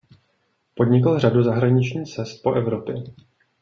Podnikl řadu zahraničních cest po Evropě.